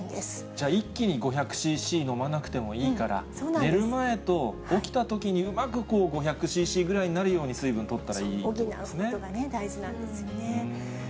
じゃあ一気に５００ｃｃ飲まなくてもいいから、寝る前と起きたときにうまく５００ｃｃぐらいになるように水補うことが大事なんですよね。